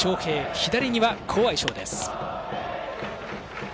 左には好相性です。